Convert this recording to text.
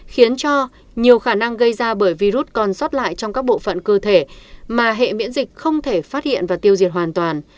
khiến cho nhiều khả năng gây ra bởi virus còn sót lại trong các bộ phận cơ thể mà hệ miễn dịch không thể phát hiện và tiêu diệt hoàn toàn